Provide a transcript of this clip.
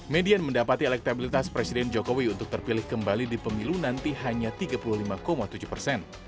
median mendapati elektabilitas presiden jokowi untuk terpilih kembali di pemilu nanti hanya tiga puluh lima tujuh persen